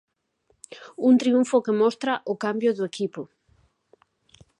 Un triunfo que mostra o cambio do equipo.